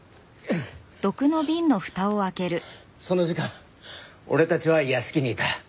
その時間俺たちは屋敷にいた。